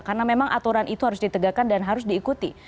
karena memang aturan itu harus ditegakkan dan harus diikuti